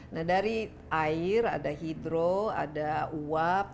nah dari air ada hidro ada uap